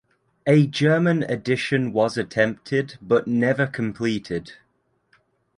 A German edition was attempted but never completed.